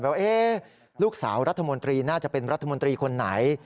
ว่าลูกสาวรัฐมนตรีน่าจะเป็นรัฐมนตรีคนไหน